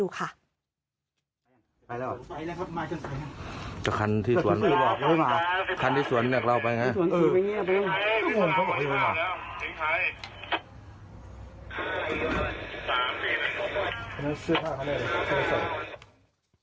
มีบ้านออกไปได้แล้วถือไทย